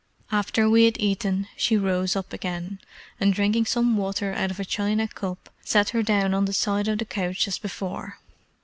After we had eaten, she rose up again, and drinking some water out of a china cup, sat her down on the side of the couch as before.